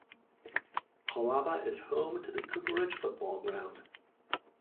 Colaba is home to the Cooperage Football Ground.